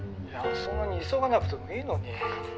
そんなに急がなくてもいいのに。